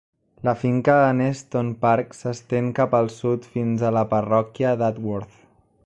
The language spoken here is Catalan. La finca de Neston Park s'estén cap al sud fins a la parròquia d'Atworth.